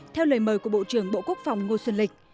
theo lời mời của bộ trưởng bộ quốc phòng ngô xuân lịch